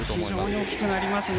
大きくなりますね。